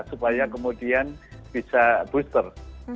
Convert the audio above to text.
supaya kemudian bisa booster